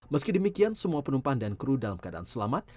meski demikian semua penumpang dan kru dalam keadaan selamat